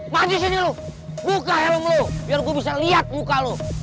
mandi sini lu buka helm lu biar gue bisa lihat muka lu